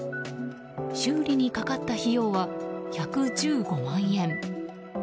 修理にかかった費用は１１５万円。